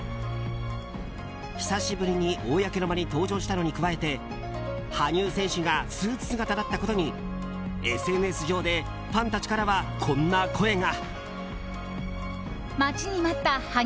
久しぶりに公の場に登場したのに加えて羽生選手がスーツ姿だったことにＳＮＳ上でファンたちからはこんな声が。